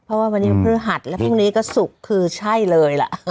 เพราะว่าวันนี้พฤหัสและพรุ่งนี้ก็ศุกร์คือใช่เลยล่ะ